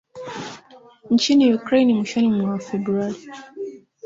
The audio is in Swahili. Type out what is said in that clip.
nchini Ukraine mwishoni mwa Februari